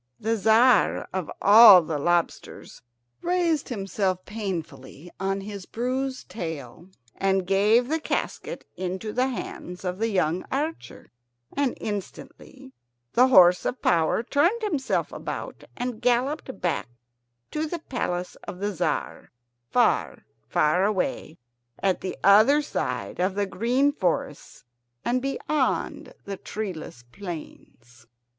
The Tzar of all the lobsters raised himself painfully on his bruised tail and gave the casket into the hands of the young archer, and instantly the horse of power turned himself about and galloped back to the palace of the Tzar, far, far away, at the other side of the green forests and beyond the treeless plains.